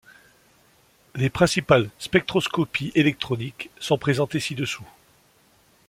Les principales spectroscopies électroniques sont présentées ci-dessous.